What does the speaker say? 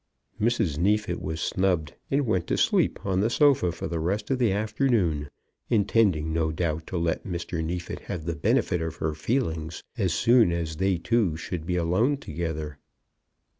Mrs. Neefit was snubbed, and went to sleep on the sofa for the rest of the afternoon, intending, no doubt, to let Mr. Neefit have the benefit of her feelings as soon as they two should be alone together.